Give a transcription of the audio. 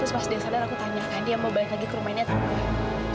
terus pas dia sadar aku tanyakan dia mau balik lagi ke rumahnya atau apa